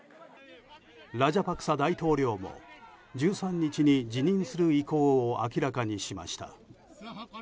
ラジャパクサ大統領も１３日に辞任する意向を明らかにしました。